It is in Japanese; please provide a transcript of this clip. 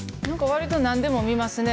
わりと何でも見ますね。